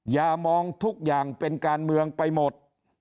อย่ามองทุกอย่างเป็นการเมืองไปหมด